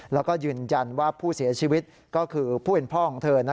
แล้วก็ยืนยันว่าผู้เสียชีวิตก็คือผู้เป็นพ่อของเธอ